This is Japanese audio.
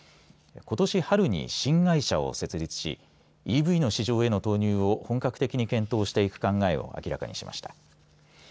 ことし春に新会社を設立しＥＶの市場への投入を本格的に検討していく考えを明らかにしました。